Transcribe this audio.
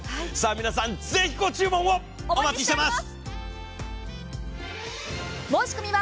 皆さん、ぜひ、ご注文をお待ちしております！